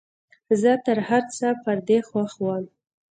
زه تر هرڅه پر دې خوښ وم.